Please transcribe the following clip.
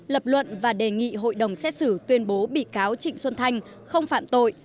lập luận và đề nghị hội đồng xét xử tuyên bố bị cáo trịnh xuân thanh không phạm tội